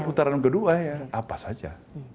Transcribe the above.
putaran kedua ya apa saja